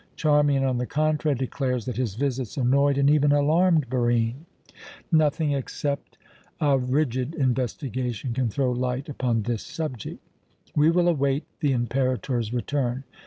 Charmian, on the contrary, declares that his visits annoyed and even alarmed Barine. Nothing except a rigid investigation can throw light upon this subject. We will await the Imperator's return.